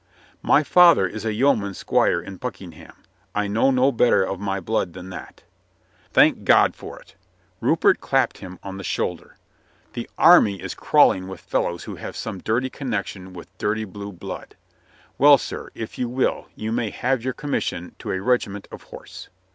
"My father is a yeoman squire in Buckingham. I know no better of my blood than that." "Thank God for it!" Rupert clapped him on the shoulder. "The army is crawling with fellows who have some dirty connection with dirty blue blood. 128 COLONEL GREATHEART Well, sir, if you will, you may have your commis sion to a regiment of horse."